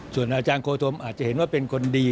ส่วนอาจารย์โคธมอาจจะเห็นว่าเป็นคนดี